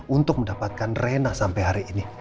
untuk mendapatkan rena sampai hari ini